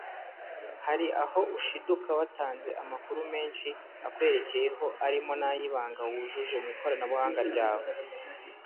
hari aho ushiduka watanze amakuru menshi akwerekeyeho arimo n’ay’ibanga wujuje mu ikoranabuhanga ryawe